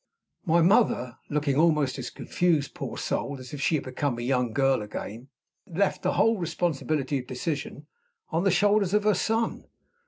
My mother (looking almost as confused, poor soul! as if she had become a young girl again) left the whole responsibility of decision on the shoulders of her son!